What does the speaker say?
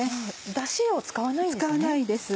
ダシを使わないんですね。